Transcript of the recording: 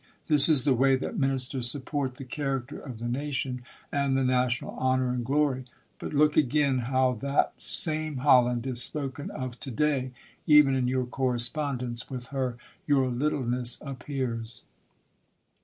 This is the way that ministers support the character of the nation, ^nd the national honor and glory. But look again how that same Holland is spoken of to day. Even in yotir correspondence with her your littleness appears.